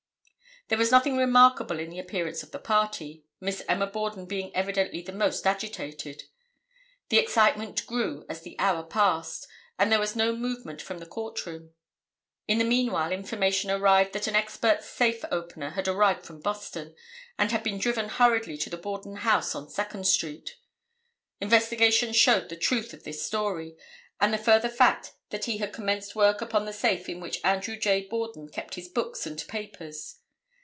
There was nothing remarkable in the appearance of the party, Miss Emma Borden being evidently the most agitated. The excitement grew as the hour passed, and there was no movement from the court room. In the meanwhile information arrived that an expert safe opener had arrived from Boston, and had been driven hurriedly to the Borden house on Second street. Investigation showed the truth of this story, and the further fact that he had commenced work upon the safe in which Andrew J. Borden kept his books and papers.